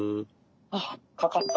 あっかかった。